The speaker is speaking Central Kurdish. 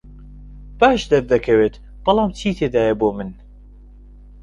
باش دەردەکەوێت، بەڵام چی تێدایە بۆ من؟